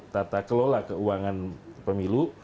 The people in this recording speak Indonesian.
tata kelola keuangan pemilu